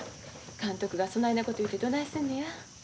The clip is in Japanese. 監督がそないなこと言うてどないするのや。